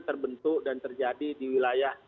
terbentuk dan terjadi di wilayah